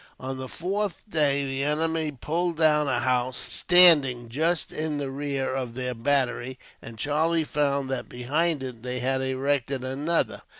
On the fourth day the enemy pulled down a house, standing just in the rear of their battery, and Charlie found that behind it they had erected another.